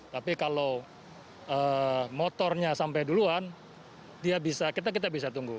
tapi kalau motornya sampai duluan kita bisa tunggu